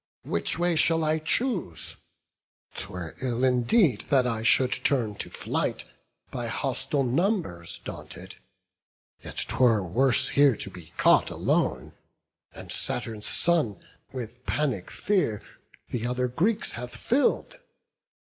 which way shall I choose? 'Twere ill indeed that I should turn to flight By hostile numbers daunted; yet 'twere worse Here to be caught alone; and Saturn's son With panic fear the other Greeks hath fill'd.